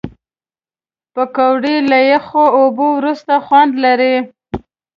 پکورې له یخو اوبو وروسته خوند لري